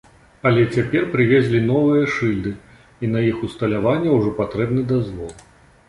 Але цяпер прывезлі новыя шыльды, і на іх усталяванне ўжо патрэбны дазвол.